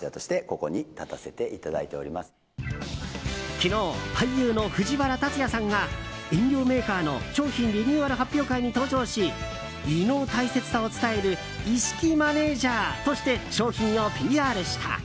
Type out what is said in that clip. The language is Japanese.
昨日、俳優の藤原竜也さんが飲料メーカーの商品リニューアル発表会に登場し胃の大切さを伝える胃識マネジャーとして商品をＰＲした。